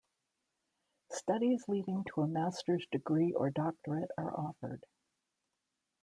Studies leading to a master's degree or doctorate are offered.